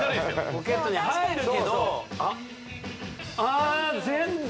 ポケットに入るけどあっ